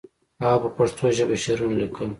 هغه په پښتو ژبه شعرونه لیکل.